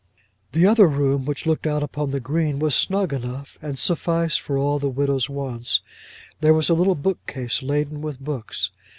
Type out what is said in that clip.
The other room which looked out upon the green was snug enough, and sufficed for all the widow's wants. There was a little book case laden with books.